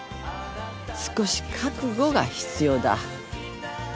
少し覚悟が必要だ。